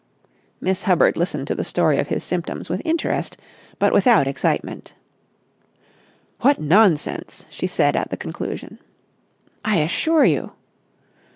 Miss Hubbard listened to the story of his symptoms with interest but without excitement. "What nonsense!" she said at the conclusion. "I assure you...."